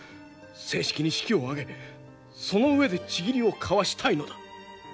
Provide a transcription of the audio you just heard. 正式に式を挙げその上で契りを交わしたいのだ。